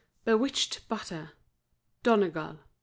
BEWITCHED BUTTER (DONEGAL).